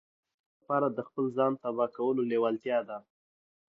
مینه کول د بل لپاره د خپل ځان تباه کولو لیوالتیا ده